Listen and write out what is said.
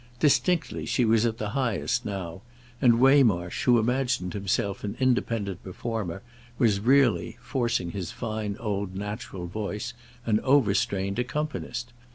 Distinctly she was at the highest now, and Waymarsh, who imagined himself an independent performer, was really, forcing his fine old natural voice, an overstrained accompanist.